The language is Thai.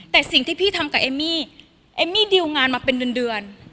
แต่สิ่งที่พี่ทำกับเอมมี่เอมมี่ดิวงานมาเป็นเดือน